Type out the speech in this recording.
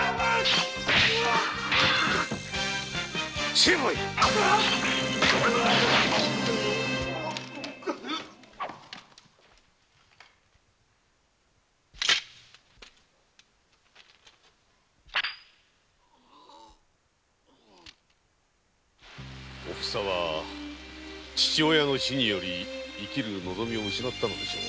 成敗お房は父親の死で生きる望みを失ったのでしょう。